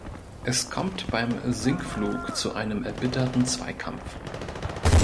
Es kommt beim Sinkflug zu einem erbitterten Zweikampf.